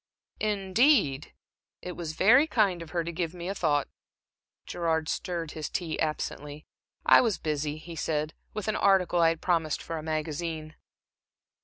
"Indeed! It was very kind of her to give me a thought." Gerard stirred his tea absently. "I was busy," he said "with an article I had promised for a magazine."